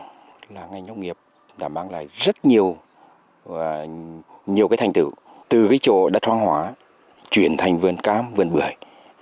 tức là ngành nông nghiệp đã mang lại rất nhiều nhiều cái thành tựu từ cái chỗ đất hoang hóa chuyển thành vườn cám vườn bưởi